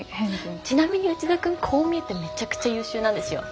ちなみに内田君こう見えてめちゃくちゃ優秀なんですよ。